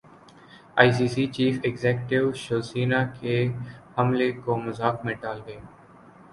ائی سی C chief executive شوسینا کے حملے کو مذاق میں ٹال گئے